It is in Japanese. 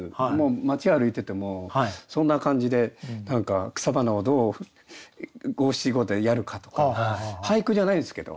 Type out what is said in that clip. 街歩いててもそんな感じで何か草花をどう五七五でやるかとか俳句じゃないんですけど